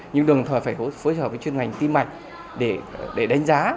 nhưng đồng thời phải phối hợp với chuyên ngành tim mạch để đánh giá